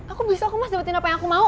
aku bisa aku mas dapetin apa yang aku mau